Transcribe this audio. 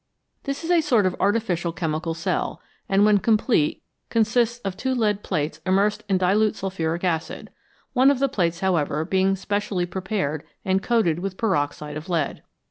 This is a sort of artificial chemical cell, and when complete consists of two lead plates immersed in dilute sulphuric acid, one of the plates, however, being specially prepared and coated with peroxide of lead.